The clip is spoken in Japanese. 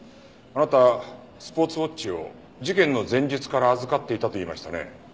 あなたはスポーツウォッチを事件の前日から預かっていたと言いましたね？